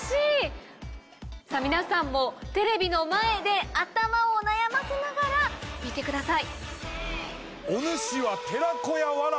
皆さんもテレビの前で頭を悩ませながら見てください。